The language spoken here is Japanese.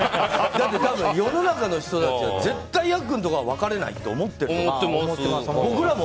だって多分、世の中の人たちは絶対ヤックンのとこは別れないって思ってるよ。